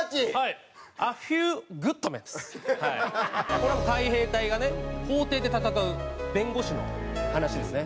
これはもう海兵隊がね法廷で闘う弁護士の話ですね。